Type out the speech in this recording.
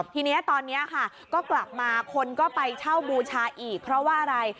ทีนี้ตอนนี้ค่ะก็กลับมาคนก็ไปเช่าบูชาอีกเพราะว่าอะไร